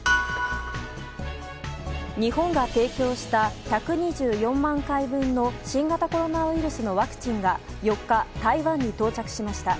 日本が提供した１２４万回分の新型コロナウイルスのワクチンが４日、台湾に到着しました。